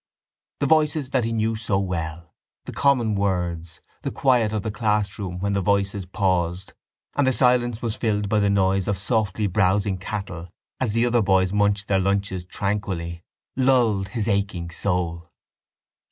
The voices that he knew so well, the common words, the quiet of the classroom when the voices paused and the silence was filled by the sound of softly browsing cattle as the other boys munched their lunches tranquilly, lulled his aching soul.